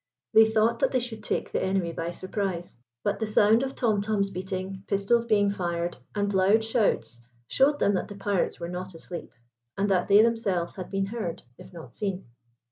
They thought that they should take the enemy by surprise; but the sound of tom toms beating, pistols being fired, and loud shouts showed them that the pirates were not asleep, and that they themselves had been heard, if not seen.